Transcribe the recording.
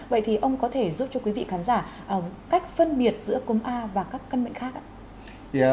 vậy thì ông có thể giúp cho quý vị khán giả cách phân biệt giữa cúm a và các căn bệnh khác ạ